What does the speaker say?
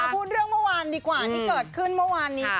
พูดเรื่องเมื่อวานดีกว่าที่เกิดขึ้นเมื่อวานนี้